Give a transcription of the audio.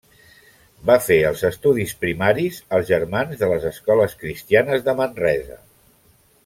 Va fer els estudis primaris als Germans de les Escoles Cristianes de Manresa.